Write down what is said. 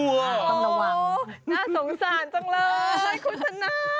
อ๋อน่าสงสารจังเลยคุณสนา